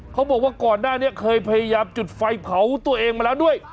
เขาบอกว่าก่อนหน้านี้เคยพยายามจุดไฟเผาตัวเองมาแล้วด้วย